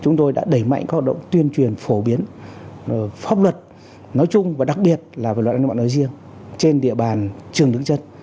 chúng tôi đã đẩy mạnh các hoạt động tuyên truyền phổ biến pháp luật nói chung và đặc biệt là về luật an ninh mạng nói riêng trên địa bàn trường đứng chân